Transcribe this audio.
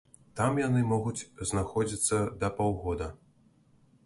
Там яны могуць знаходзіцца да паўгода.